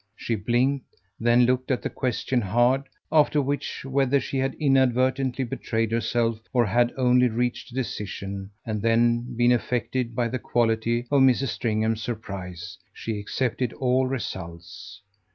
She blinked then looked at the question hard; after which, whether she had inadvertently betrayed herself or had only reached a decision and then been affected by the quality of Mrs. Stringham's surprise, she accepted all results.